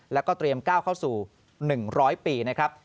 แล้วก็เตรียมก้าวเข้าสู่๑๐๐ปีนะครับ